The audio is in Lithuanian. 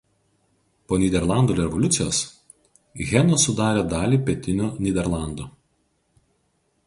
Po Nyderlandų revoliucijos Heno sudarė dalį Pietinių Nyderlandų.